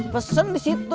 pesen di situ